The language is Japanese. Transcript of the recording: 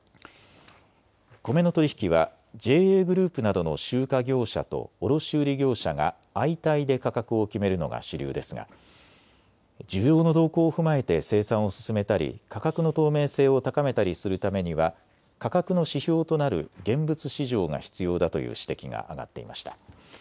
コメの取り引きはＪＡグループなどの集荷業者と卸売業者が相対で価格を決めるのが主流ですが需要の動向を踏まえて生産を進めたり価格の透明性を高めたりするためには価格の指標となる現物市場が必要だという指摘が上がっていました。